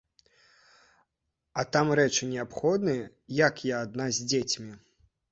А там рэчы неабходныя, як я адна з дзецьмі?